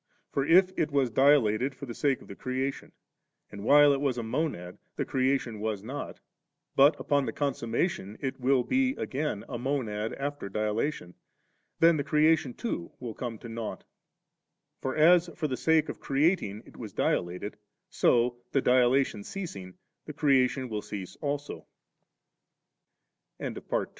For if it was dilated for the sake of the creation, and whfle it was a Monad the creation was not, but upon the Consummation it will be again a Monad after dilatation, then the creation too will come to nought For as for the sake of creating it was dilated, so, the dilatation ceasing, th